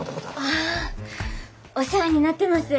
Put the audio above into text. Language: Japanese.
あお世話になってます